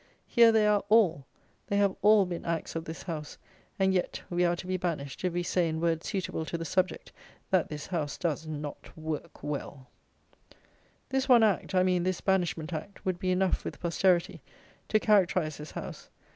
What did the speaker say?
Here they are all. They have all been Acts of this House; and yet, we are to be banished if we say, in words suitable to the subject, that this House does not "work well!" This one Act, I mean this Banishment Act, would be enough, with posterity, to characterize this House.